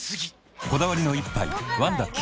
こだわりの一杯「ワンダ極」